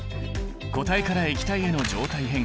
固体から液体への状態変化